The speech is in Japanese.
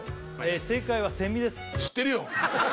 正解はセミです知ってるよ！